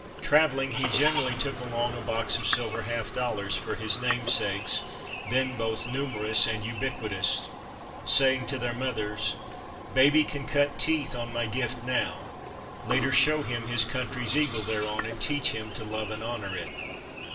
Traveling, he generally took along a box of silver half dollars for his name sakes, then both numerous and ubiquitous, saying to their mothers :" Baby can cut teeth on my gift now, later show him his country's eagle thereon, and teach him to love and honor it."